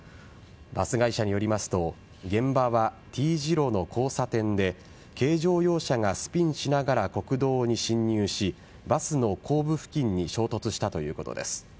バス会社によりますと、現場は丁字路の交差点で軽乗用車がスピンしながら国道に進入しバスの後部付近に衝突したということです。